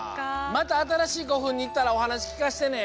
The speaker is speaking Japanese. またあたらしいこふんにいったらおはなしきかせてね！